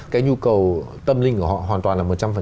cái nhu cầu tâm linh của họ hoàn toàn là một trăm linh